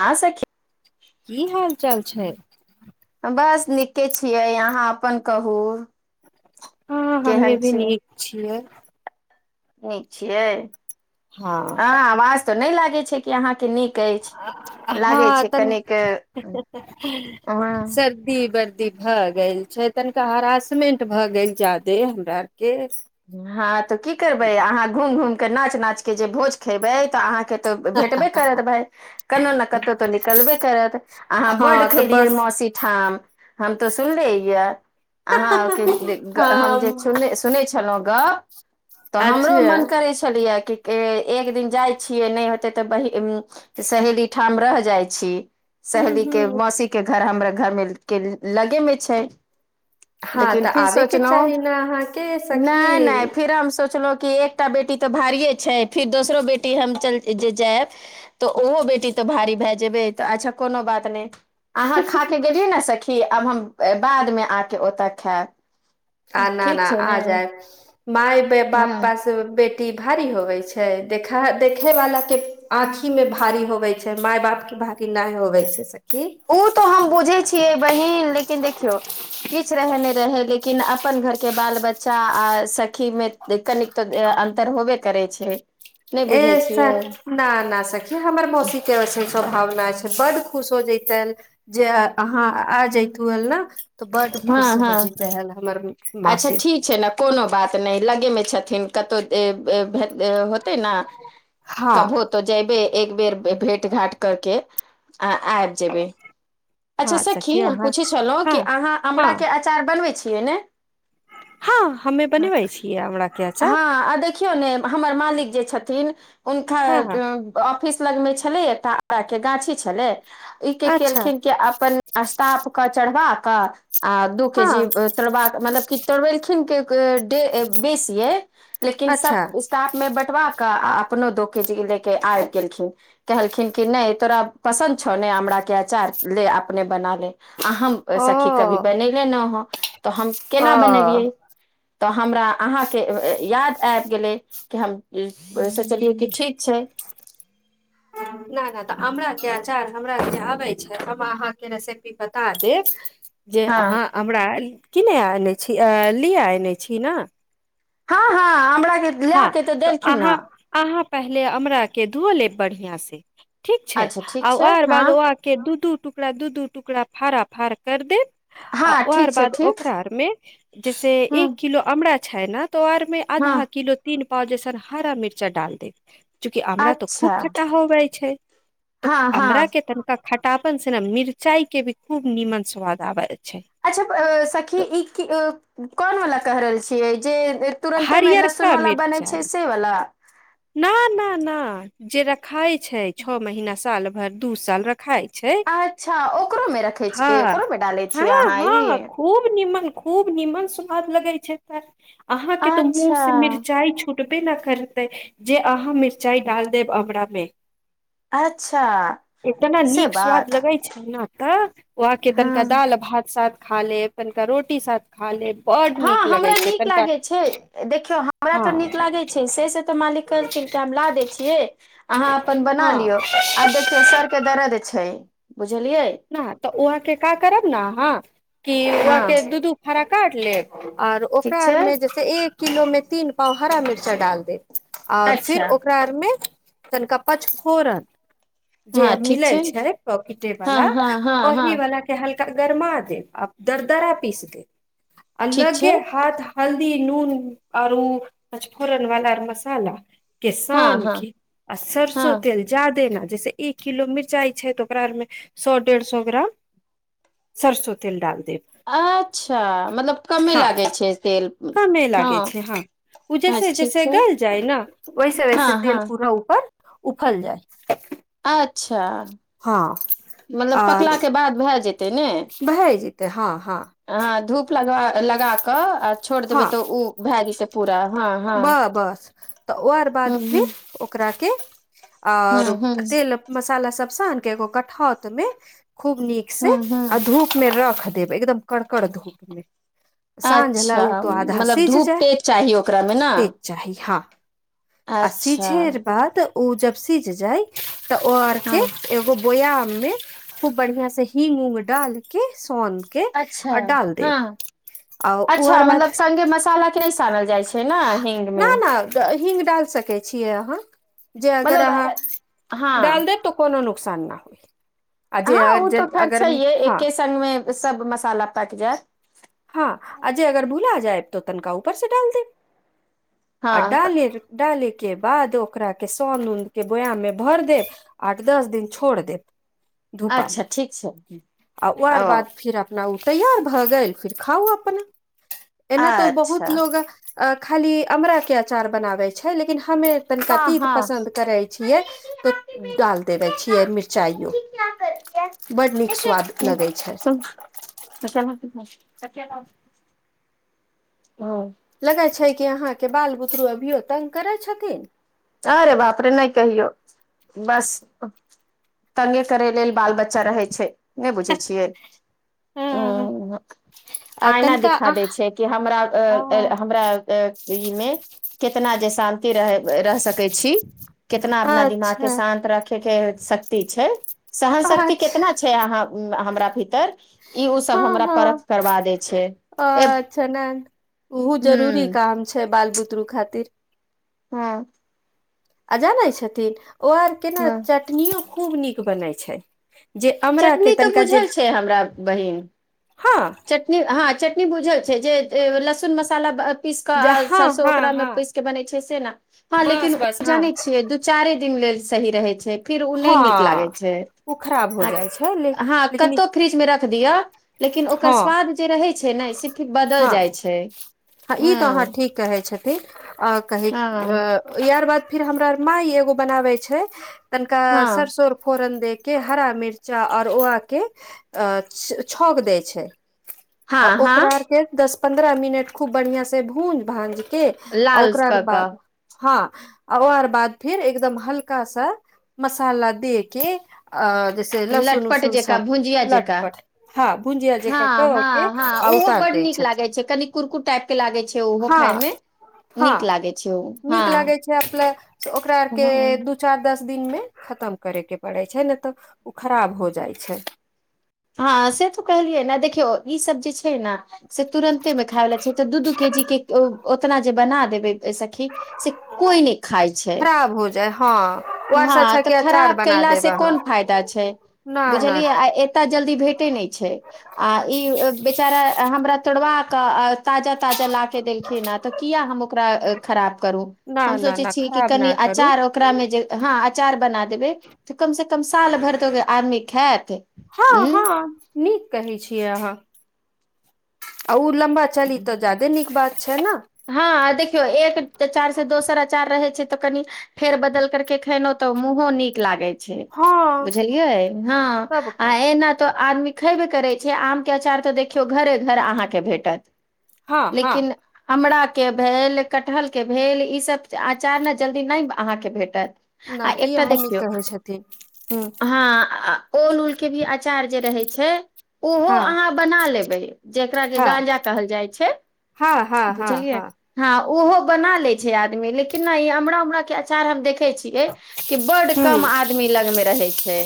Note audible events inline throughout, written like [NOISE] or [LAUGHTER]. हँ सखी की हाल चाल छै बस नीके छियै अहाँ अपन कहू हँ केहन हमे भी नीक छियै निक छियै हँ आवाज तऽ नहि लागे छै क अहाँके नीक अछि हँ लागै छै तनी कनिक सर्दी वर्दी भए गेल छै तनिका हरासमेंट भए गेल ज्यादे हमरा आर के हँ तऽ की करबै अहाँ घुमि घूमि कऽ नाच नाचके जे भोज खयबै तऽ अहाँ तऽ भेटबे करत भाय कनो ने कतहु तो निकलबे करत अहाँ बड्ड हँ तऽ खेलियै बस मौसी ठाम हम तऽ सुनले यए अहाँके हम जे सु हँ सुनै छी गप तऽ हमरो अच्छा मन करै छै पुछलियै कि एक दिन जाइ छियै नहि होते तऽ ब तऽ सहेली ठाम रहहि जाइ छी हूँ सहेलीके हूँ मौसीक के घर हमरा घरमे के लगेमे छै लेकिन फिर सोचलो नहि आहाँ नहि नहि फेर हम सोचलहुँं कि एक एकटा बेटी तऽ भारिये छै फिर दोसरो बेटी हम चल जे जायब तऽ ओहो बेटी तऽ भारी भए जेबै तऽ अच्छा कोनो बात नहि अहाँ खा कऽ गेलियै नऽ सखी आब हम बादमे आके ओतऽ खायब आ ना ठीक ना छै आ ने जायब माय बाप हँ बेटी भारी होवे छै देखे वाला के आँखी मे भारी होवे छै माय बाप के भार नहि होबैसे सखी ओ तऽ हम बुझै छियै बहिन लेकिन देखियौ किछु रहै नहि रहै लेकिन अपन घरके बाल बच्चा आ सखीमे कनि तऽ अन्तर होबे करै छै नहि ए बुझै छियै न ना सखी हमर मौसीक के स्वभावना छै बड खुश हो जैतनि जे अहाँ आ जइतु हल नऽ तऽ बड्ड हँ खुश हँ होय जत्हे हमर अच्छा मासी ठीक छै ने कोनो बात नहि लगेमे छथिन कतहु होते नऽ हँ कऽ भोत तो जयबे एक बेर भेंट घाट करके आ आब जेबै अच्छा हँ सखी हम अहाँ पूछै छलहुँ कि हँ अहाँ हँ अमराके अचार बनबै छियै ने हँ हमे बनेबे छियै आमरा के अचार हँ आ देखियौ ने हमर मालिक जे छथिन हँ हुनकर ऑफिस लग मे छले एकटा आमरा के गाछे छले ई कि अच्छा केलखिन के अपन अस्टाप के चढ़वा कऽ आ दू के जी हँ तोड़बाक मतलब कि तोड़बेलखिन बेसीये लेकिन अच्छा सब एसटाप में बटवा कऽ आ अपनो दो के जी ले के आबि गेलखिन कहलखिन कि नहि तोरा पसन्द छौ नहि अमराके आचार ले अपने बना ले हम ओ सखी कभी ओ बनेले नऽ ह तऽ हम केना बनबियै तऽ हमरा अहाँके याद आबि गेलै कि हम सोचलियै कि ठीक छै नहि नहि तऽ अमराके आचार हमरा जे आबै छै हम अहाँके रेसिपी बता देब जे हँ अहाँ हमरा किने आने छी लिए आने छी नऽ हँ हँ अमरा के लए हँ के तऽ देलखिन अहाँ हँ अहाँ पहले अमरा के धो लेब बढ़िया से ठीक छै अच्छा ठीक आ छै आर हँ बाद के दू दू टुकड़ा दू दू टुकड़ा फाड़ा फड़ कर देब हँ आ ओर ठीक छै बाद ठीक ओकरा आर मे जैसे ह एक किलो अमरा छै ने तऽ ओ आर मे हँ आधा किलो तीन पाव जैसन हरा मिर्चा डाल देब चूकि अमरा तो खूब अच्छा खटा होवै छै तऽ हँ हँ अमरा के त के खटापन से ने मिरचाई के भी खूब नीमन स्वाद आवे छै अच्छा सखी तऽ ई कोन वला कऽ रहल छियै जे तुरन्ते में हरियरका लहसुन वला बनै छै से वला ना ना ना जे रखाय छै छः महीना साल भरि दू साल रखाय छै अच्छा ओकरो में रखे हँ छियै ओकरो में डाले हँ छियै अहाँ ई हँ खूब निमन खूब निमन स्वाद लगे छै तऽ आहाँ के तऽ मुँह अच्छा से मिरचाई छुट छुटबे नऽ करतै जे आहाँ मिरचाई डाल देब अमरा मे अच्छा एतना से निक स्वाद बात लगै छै ना तऽ उ आहाँके तनि हँ कऽ दाल भात साथ खा लेब हल्का रोटी साथ खा लेब‌ आओर हँ हमरा नीक लागे छै देखियौ हमरा हँ तऽ नीक लागे छै से से तऽ मालिक कहलखिन कि हम ला दै छियै अहाँ अपन बना हँ लियौ आब देखियौ सर के दर्द छै बुझलियै न तऽ उहाके का करब ने अहाँ कि हँ ओहाके दू दू फाड़ा काट लेब आओर ओकरा ठीक छै आरमे जैसे एक किलोमे तीन पाव हरा मिर्चा डाल देत आओर फिर अच्छा ओकरा आरमे तनिका पचफोरन जे हँ ठीक मिलै छै पॉकिटे हँ वाला हँ हँ हँ ओहि वाला के हल्का गरमा देव आ दरदरा पीस देेब आ ठीक छै लगे हाथ हल्दी नून आओर उ मचफोरन वाला मसाला के हँ शन हँ के आ हँ सरसों तेल के। जादे न जैसे एक किलो मिरचाइ छै तऽ ओकरा आर मे। सौ ढेरसो ग्राम सरसो तेल डाल देब। अच्छा मतलब कमे हँ लागे छै तेल कमे लागे छै हँ उ जैसे ठीक जैसे छै गल जाय न वैसे हँ वैसे हँ तेल पूरा ऊपर उफल जाइ अच्छा मतलब आर पकला के बाद भए जेतै ने भए जैतै हाॅं हाॅं। आहाॅं धुप लगवा लगाक आ छोड़ देबै तऽ ऊ भैए जेतै पुरा हाॅं। बाह बस तऽ ओआर बाद फिर हूँ ओ। ओकराके हूँ आओर हूँ तेल अप। मसाला सब सान के एगो कठौत मे खूब निक से हूँ आ हूँ धूप मे रख। देब एकदम कड़कड़ धूप मे साॅंझ लेय अच्छा उ तऽ आधा मतलब सिझ धूप जाए त। तेज चाही ओकरा मे न। तेक चाही हाॅं आ अच्छा सिझेर बाद। उ जब सिझ जाइ तऽ ओ आरके। हँ एगो बोयाम मे खूब बढ़ियाॅं से हिंग उंग डालके सोन। के अच्छा आ डाल देब हाॅं आ ओ अच्छा आर बाद मतलब संगे मसाला। नय सानल जाइ छै न हिंग मे। तऽ हिंग डाल सकै छियै आहाॅं जे अगर आहाॅं मतलब डाल हँ देब तो। कोनो नुकसान न होइ आ जे आ जे अगर हाॅं। तन मे सब मसाला पाइक जाएत। हाॅं आ जे अगर भुला जायब तऽ तनका ऊपर से डाल देब आ हँ डाले जे। डाले के बाद ओकरा के सोन उन के बोयाम मे भर देब। आठ दस दिन छोड़ देब। धूपा अच्छा में ठीक छै। आ ओआर ओ बाद फिर अपना उ तैयार भऽ गेल फिर खाउ अपना। एना तो अच्छा बहुत लोग अ खाली अमरा के अ़चार बनाबे छै लेकिन हमें। तनिका हँ तित हँ पसन्द करै छियै तो डाल देबे छियै मिरचाइयो बड्ड नीक स्वाद लगै छै। [INAUDIBLE] ओ। लगै छै कि अहाँके बाल बुतरू अभियो तंग करै छथिन। आरे बाप रे नय कहियौ बस। तंगे करै लेल बाल बच्चा रहै छै, नै बुझै छियै। हूँ हू आ आईना तनिका दिखा अहाँ दै छै। कि हमरा अ आ ए हमरा अ ई में केतना जे शान्ति रहे ब रहस। कै छी, केतना अपना दिमाग के अच्छा शान्त रखेके शक्ति छै। सहन शक्ति अच्छा केतना छै अहाँ ऊं हमरा भीतर। ई उ सब हँ हमरा परख हँ करबा दै छै ए। उहो ह जरूरी काम छै बाल बुतरू खातिर। हुं। आ जानै छथिन ओ आर केना ह चटनियो खुब निक बनै छै। जे अमरा के चटनी तऽ तनका जे बुझल छै हमरा बहिन हाॅं। चटनी हाॅं चटनी बुझल छै जे ए लहसुन मसाला ब अ। पीस के जे आ हँ हँ सरसोंओकरा में हँ पीस के बने छै से ना हाॅं बस लेकिन बस उ हँ जाने छियै दु‌। चारे दिन लेल सही रहे छै फिर उ नै हँ नीक लागे छै। ओ खराब हो आ जाइ छै ले हाॅं लेकिन कतो फ्रीज में रख दियो लेकिन ओकर हँ स्वाद जे रहै। छै नै सिखी बदल हँ जाइ छै। हँ ई तऽ अहाँ ठीक कहै छथिन आ कही हँ यार बाद फिर हमरा मााय एगो बनावे छै तनिका हँ सरसो फोरन दे के के हरा मिर्चा आओर ओआके छौक दै छै आ हँ ओकरा हँ आर के दस पंद्रह मिनट खूब बढ़िया से भूंज भाज के ओ लाल औकरार कऽ बाद। कऽ हाॅं आ ओ आर बाद फिर एकदम हल्का सा मसाला दे के। आ जैसे लहसुन लटपट उसुन जेका सब भुजिया जेका लटपट हँ भुजिया जेका क। के हाॅं आ उहो उतार बड दै निक छथिन लागे छै कनी कुरकुर टाइप के लागे छै उहो हँ खाय में। हँ निक लागै छै अपला ओकरा आर के दु। हँ दू चार दस दिन मे खतम करे के पड़े छै ने तऽ ओ खराब हो जाइ छै हँ से तो कहलियै ने देखियौ ई सब जे छै नऽ से तुरन्ते मे खायला छै तऽ दू दू के जी के ओतना जे बना देबै सखी से कोइ नहि खाय छै तऽ हँ ओ आर हँ से अच्छा तऽ के अचार खराब बना कयला देब सऽ अहाँ कोन फायदा छै न न बुझलियै आ एतय जल्दी भेटे नहि छै आ ई बेचारा हमरा तोड़बाक कऽ ताजा ताजा ला के देलखिन हं तऽ किया हम ओकरा खराब करू न हम न सोचै न छी कि खराब कनि न करू अचार ओकरा मे जे हँ अचार बना देबै तऽ कम से कम साल भरि तऽ आदमी खाइत हँ हँ नीक कहै छियै अहाँ ओ लम्बा चली तऽ ज्यादे नीक बात छै ने हँ देखियौ एक आचार सऽ दोसर आचार रहै छै तऽ कनि फेर बदल कर के खेलहु तऽ मुंहों नीक लागे छै हँ बुझलियै हँ आ सबके एना तो आदमी खेबे करै छिय आम के अँचार तऽ देखियौ घरे घर अहाँके भेटत हँ हँ लेकिन आमराके भेल कटहरके भेल ईसभ अँचार नऽ जल्दी नहि अहाँके भेटत आ नहि ई एकटा अहाँ नीक देखियौ कहै छथिन हँ ओल उल के भी अचार जे रहे छै ओहो ह हँ अहाँ बना लेबे जेकरा के हँ गाजा कहल जाइ छै हँ हँ हँ बुझलियै हँ ओहो बना लै छै आदमी लेकिन न ई अमरा उमरा के अँचार हम देखै छियै कि बड्ड ह कम आदमी लग मे रहै छै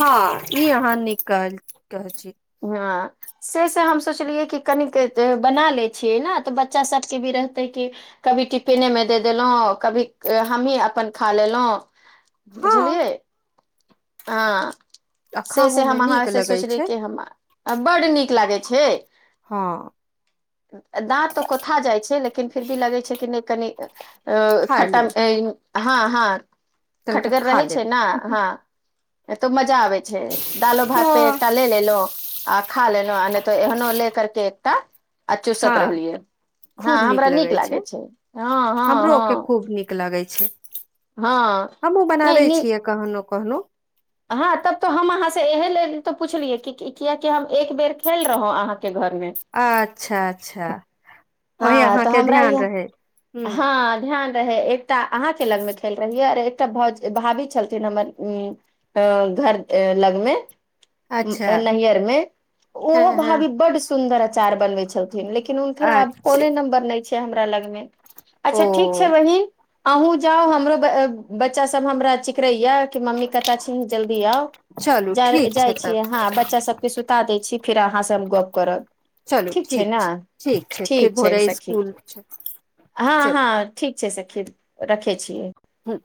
हँ ई अहाँ नीक कहल रहल छी हँ से से हम सोचलियै कि कनिक बना लै छियै न तऽ बच्चा सभके भी रहतै कि कभी टिफिने मे दे देलौं कभी हमही अपन खा लेलौ हँ बुझलियै हँ आ से खाहू से मे हम अहाँ नीक से लगै सोचली छै कि हम आ बड्ड नीक लागै छै हँ दाँत तऽ कोथा जाइ छै लेकिन फिर भी लगै छै कि नय कनी ओ खाय खटम लेब हँ हँ तनिका खटगर खा रहै छै लेब ने हँ तो मजा आबै छै दालो हँ भात पे एकटा ले लेलौ आ खा लेलो आ नय तऽ एहनो ले कर के एकटा आ चुसत हँ रहलियै हँ हमरा नीक लागै छै हँ हँ हमरो हँ के खूब नीक लगै छै हँ हमहुँ नहि बनाबै नीक छियै कहनो कहनो हँ तब तऽ हम अहाँ से एहे लेल तऽ पुछलियै कियेकि कि हम एक बेर खैले रहौं अहाँके घर मे अच्छा अच्छा ओहि हँ तऽ अहाँके हमरा ध्यान इहाँ रहै हूँ हँ ध्यान रहै एकटा अहाँके लगमे खेल रहियै आओर एकटा भाभी छलथिन हमर उ अ घर लगमे अच्छा नैयहरमे हँ ओहो हँ भाभी बड्ड सुन्दर अचार बनबै छलथिन लेकिन हुनकर आब अच्छा नंबर नय छै हमरा लग मे ओ अच्छा ठिक छै बहिन अहूँ जाउ हमरो बच्चा सब हमरा चिकरैये कि मम्मी कतय छी ही जल्दी आउ चलू जार ठीक छै जाइ तब छियै हँ बच्चा सबके सुता दै छी फीर अहाँ से हम गप्प करब चलू ठीक छै फेर ठीक छै भोरे सखी स्कुल छै हँ चलू हँ ठीक छै सखी रखे छियै हुँ